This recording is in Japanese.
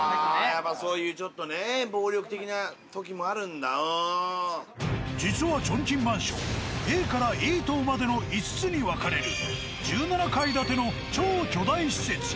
やっぱりそういうちょっとね実はチョンキンマンションＡからＥ棟までの５つに分かれる１７階建ての超巨大施設。